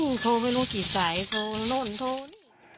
ฮึมโทรไม่รู้กี่สายโทรละโหนโทร